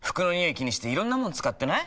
気にしていろんなもの使ってない？